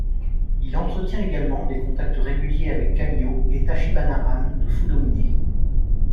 Il entretient également des contacts réguliers avec Kamio et Tachibana An de Fudomine.